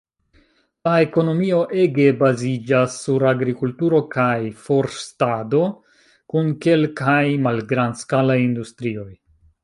La ekonomio ege baziĝas sur agrikulturo kaj forstado, kun kelkaj malgrand-skalaj industrioj.